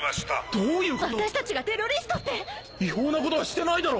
どういうこと⁉私たちがテロリストって⁉違法なことはしてないだろ！